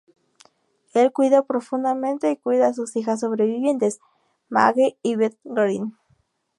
Él cuida profundamente y cuida a sus hijas sobrevivientes, Maggie y Beth Greene.